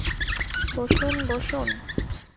বসুন, বসুন।